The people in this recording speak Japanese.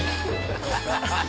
ハハハハハ！